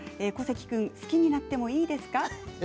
小関君好きになってもいいですか？